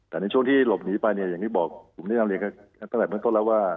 แต่ในช่วงที่หลบหนีไปเนี่ยอย่างที่บอกผมได้นำเรียนตั้งแต่เมืองต้นแล้วว่า